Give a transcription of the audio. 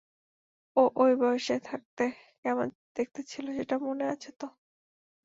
ও অই বয়সে থাকতে কেমন দেখতে ছিল সেটা মনে আছে তো?